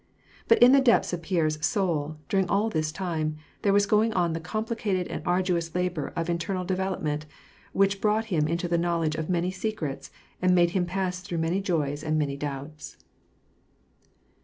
But in the depths of Pierre's soul, during all this time, there was going on the complicated and arduous labor of internal development, which brought him into the knowledge of many secrets , and made him pass through many joys and many doubts.